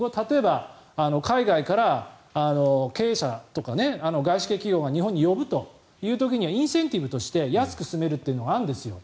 例えば、海外から経営者とか外資系企業が日本に呼ぶという時にはインセンティブとして安く住めるというのがあるんです。